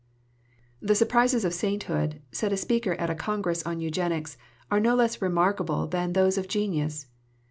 "The surprises of sainthood," said a speaker at a Congress on Eugenics, "are no less remarkable than those of genius.